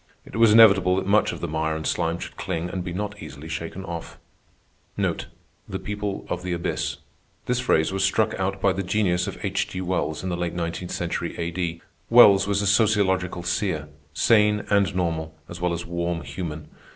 It was inevitable that much of the mire and slime should cling and be not easily shaken off. The people of the abyss—this phrase was struck out by the genius of H. G. Wells in the late nineteenth century A.D. Wells was a sociological seer, sane and normal as well as warm human.